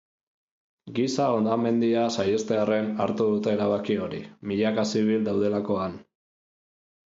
Giza hondamendia saihestearren hartu dute erabaki hori, milaka zibil daudelako han.